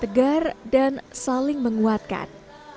tegar dan saling menguatkan